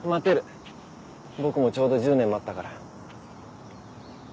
僕もちょうど１０年待ったから。